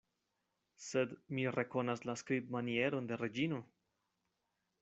Sed mi rekonas la skribmanieron de Reĝino!